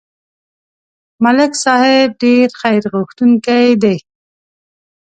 ملک صاحب ډېر خیرغوښتونکی دی.